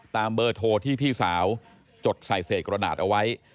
เบอร์โทรที่พี่สาวจดใส่เศษกระดาษเอาไว้